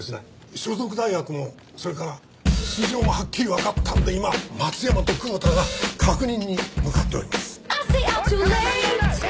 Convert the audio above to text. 所属大学もそれから素性がはっきりわかったんで今松山と久保田が確認に向かっております。